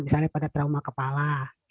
misalnya pada trauma kepala